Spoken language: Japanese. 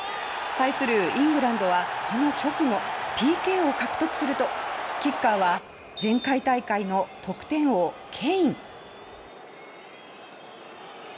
対するイングランドはその直後ＰＫを獲得するとキッカーは前回大会の得点王ケイン。